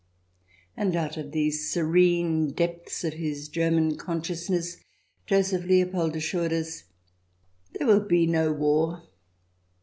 And out of the serene depths of his German conscious ness Joseph Leopold assured us :" There will be no war